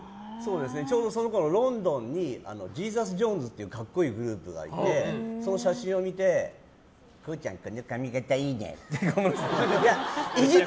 ちょうどそのころロンドンにジーザス・ジョンズという格好いいグループがいてその写真を見てこの髪形いいねって。